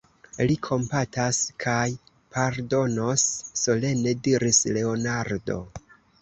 Li kompatas kaj pardonos, solene diris Leonardo.